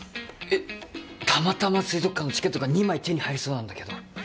えったまたま水族館のチケットが２枚手に入りそうなんだけど。